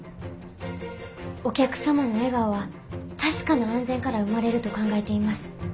お客様の笑顔は確かな安全から生まれると考えています。